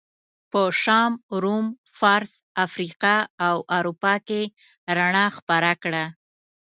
په شام، روم، فارس، افریقا او اروپا کې رڼا خپره کړه.